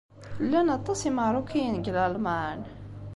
Llan aṭas n Yimeṛṛukiyen deg Lalman?